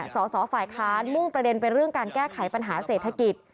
สอสอฝ่ายค้านมุ่งประเด็นไปเรื่องการแก้ไขปัญหาเศรษฐกิจ